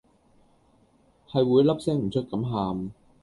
係會粒聲唔出咁喊